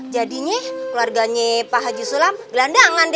jadinya keluarganya pak haji itu emak gak bisa ngomong sama dia